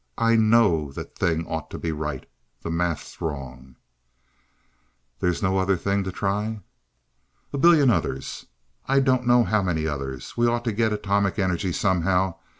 I know that thing ought to be right. The math's wrong." "There is no other thing to try?" "A billion others. I don't know how many others. We ought to get atomic energy somehow.